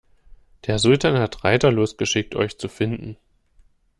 Der Sultan hat Reiter losgeschickt, euch zu finden.